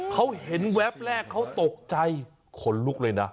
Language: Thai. เขาเห็นแวบแรกเขาตกใจขนลุกเลยนะ